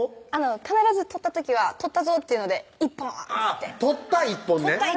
必ず取った時は取ったぞっていうので「イッポーン」っつって取った一本ね「取った！